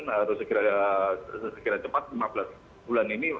harus segera cepat lima belas bulan ini